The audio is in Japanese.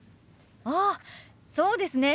ああそうですね。